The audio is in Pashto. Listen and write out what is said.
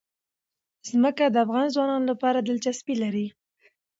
ځمکه د افغان ځوانانو لپاره دلچسپي لري.